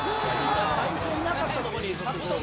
「最初いなかったとこにサッと」